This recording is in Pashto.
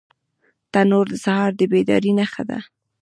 تنور د سهار د بیدارۍ نښه ده